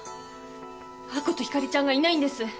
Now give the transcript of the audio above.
亜子と星ちゃんがいないんです。